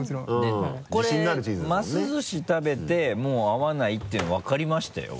これます寿司食べてもう合わないっていうの分かりましたよ